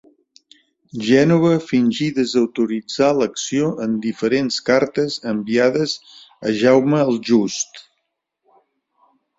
Gènova fingí desautoritzar l'acció en diferents cartes enviades a Jaume el Just.